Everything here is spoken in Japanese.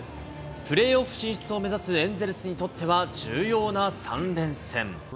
プレーオフ進出を目指すエンゼルスにとっては重要な３連戦。